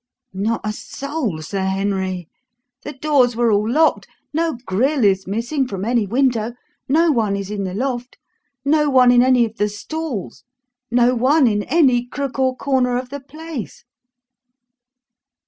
"Not a soul, Sir Henry. The doors were all locked; no grille is missing from any window; no one is in the loft; no one in any of the stalls; no one in any crook or corner of the place."